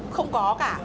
không có cả